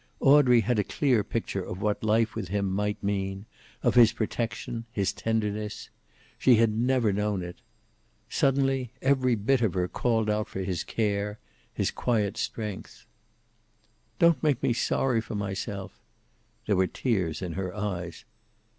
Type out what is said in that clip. Audrey had a clear picture of what life with him might mean, of his protection, his tenderness. She had never known it. Suddenly every bit of her called out for his care, his quiet strength. "Don't make me sorry for myself." There were tears in her eyes.